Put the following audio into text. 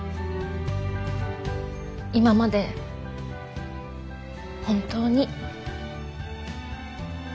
今まで本当に。